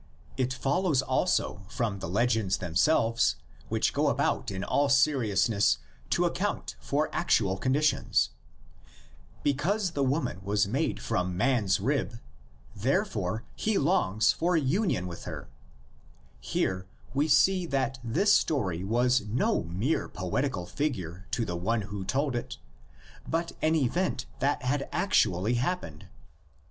It follows also from the legends themselves, which go about in all serious ness to account for actual conditions: because the woman was made from man's rib, therefore he longs for union with her; here we see that this story was no mere poetical figure to the one who told it, but an event that had actually happened.